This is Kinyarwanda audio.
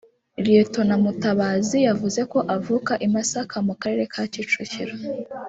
Lt Mutabazi yavuze ko avuka i Masaka mu karere ka Kicukiro